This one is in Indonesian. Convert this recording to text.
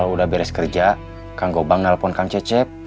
saya beres kerja kang gobang nelfon kang cecep